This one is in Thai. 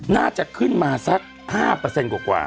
น่าจะขึ้นมาสัก๕กว่า